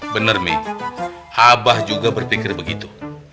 bener mi abah juga berpikir begitu